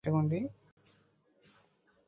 আপনারা জানেন, পৃথিবীর সবচেয়ে পুরোনো পেশা কোনটি!